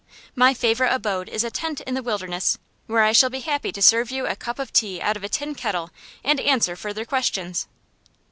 My favorite abode is a tent in the wilderness, where I shall be happy to serve you a cup of tea out of a tin kettle, and answer further questions.